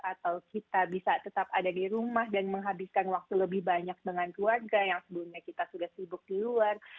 atau kita bisa tetap ada di rumah dan menghabiskan waktu lebih banyak dengan keluarga yang sebelumnya kita sudah sibuk di luar